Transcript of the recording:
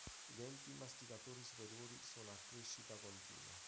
I denti masticatori superiori sono a crescita continua.